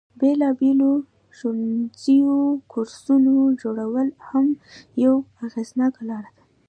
د بیلابیلو ښوونیزو کورسونو جوړول هم یوه اغیزناکه لاره ده.